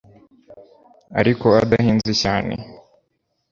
ariko adahenze cyane